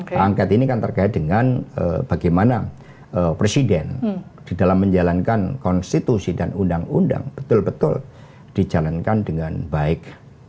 hak angket ini kan terkait dengan bagaimana presiden di dalam menjalankan konstitusi dan undang undang betul betul dijalankan dengan baik